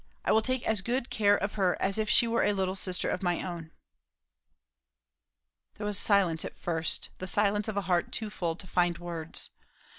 I will take as good care of her as if she were a little sister of my own." There was silence at first, the silence of a heart too full to find words.